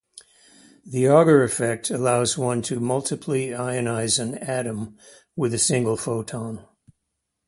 The Auger effect allows one to multiply ionize an atom with a single photon.